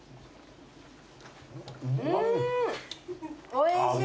おいしい。